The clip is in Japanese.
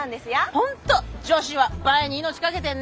本当女子は「映え」に命かけてんね。